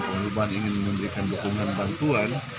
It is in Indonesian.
pemerintah yang ingin memberikan dukungan bantuan